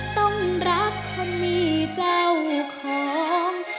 ต้องรักคนมีเจ้าของ